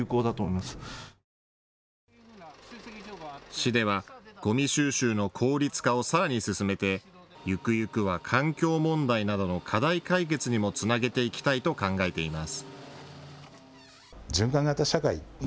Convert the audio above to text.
市ではゴミ収集の効率化をさらに進めて、ゆくゆくは環境問題などの課題解決にもつなげていきたいと考えています。